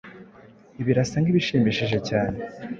Birasa nkibishimishije cyane.